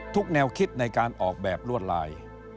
แนวคิดในการออกแบบลวดลาย